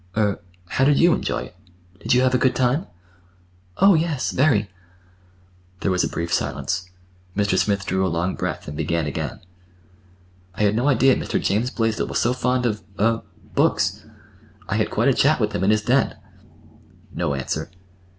"Er—how did you enjoy it? Did you have a good time?" "Oh, yes, very." There was a brief silence. Mr. Smith drew a long breath and began again. "I had no idea Mr. James Blaisdell was so fond of—er—books. I had quite a chat with him in his den." No answer.